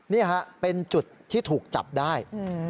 นี่ฮะเป็นจุดที่ถูกจับได้